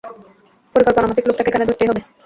পরিকল্পনামাফিক লোকটাকে এখানেই ধরতে হবে।